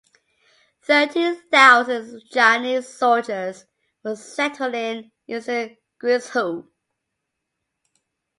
Thirty thousand Chinese soldiers were settled in eastern Guizhou.